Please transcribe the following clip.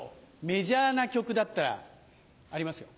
メジャーな曲だったらありますよ。